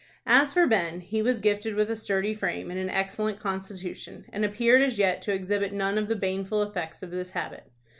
As for Ben, he was gifted with a sturdy frame and an excellent constitution, and appeared as yet to exhibit none of the baneful effects of this habit.